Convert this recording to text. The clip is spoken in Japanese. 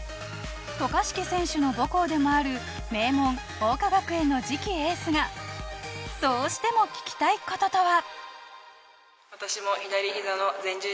渡嘉敷選手の母校でもある名門桜花学園の次期エースがどうしても聞きたい事とは？